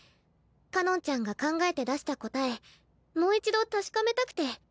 かのんちゃんが考えて出した答えもう一度確かめたくて。